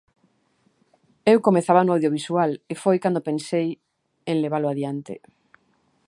Eu comezaba no audiovisual e foi cando pensei en levalo adiante.